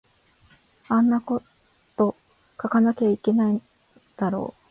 あとなんこ書かなきゃいけないのだろう